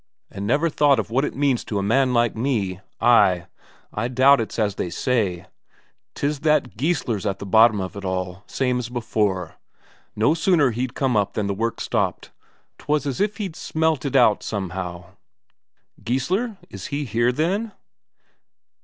"And never a thought of what it means to a man like me. Ay, I doubt it's as they say; 'tis that Geissler's at the bottom of it all, same as before. No sooner he'd come up than the work stopped; 'twas as if he'd smelt it out somehow." "Geissler, is he here, then?"